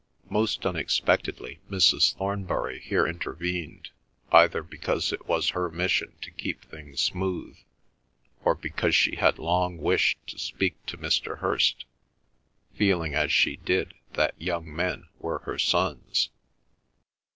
Most unexpectedly Mrs. Thornbury here intervened, either because it was her mission to keep things smooth or because she had long wished to speak to Mr. Hirst, feeling as she did that young men were her sons.